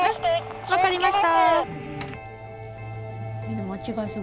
あっ分かりました。